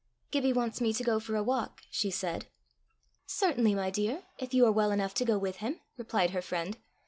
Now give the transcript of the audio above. "Gibbie wants me to go for a walk," she said. "Certainly, my dear if you are well enough to go with him," replied her friend.